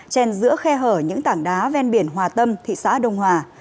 chèn giữa khe hở những tảng đá ven biển hòa tâm thị xã đông hòa